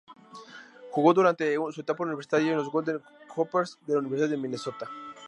Jugó durante su etapa universitaria en los "Golden Gophers" de la Universidad de Minnesota.